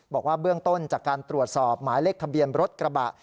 บอกว่าเบื้องต้นจากการตรวจสอบหมายเลขทะเบียนรถกระบะ